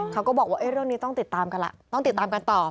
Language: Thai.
เขาก็บอกว่าเรื่องนี้ต้องติดตามกันล่ะต้องติดตามกันต่อ